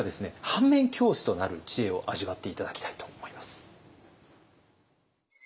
反面教師となる知恵を味わって頂きたいと思います。